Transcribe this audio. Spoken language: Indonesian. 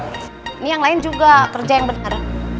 ini yang lain juga kerja yang benar